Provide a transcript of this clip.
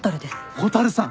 蛍さん。